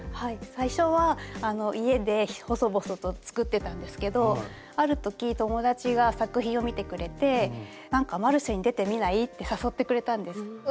最初は家で細々と作ってたんですけどある時友達が作品を見てくれて「マルシェに出てみない？」って誘ってくれたんです。